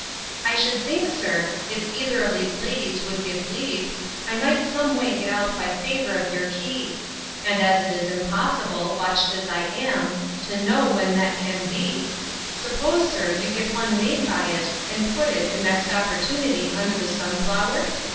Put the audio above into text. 'I should think, sir, if either of those ladies would give leave, I might some way get out by favour of your key: and as it is impossible, watched as I am, to know when it can be, suppose, sir, you get one made by it, and put it, the next opportunity, under the sunflower?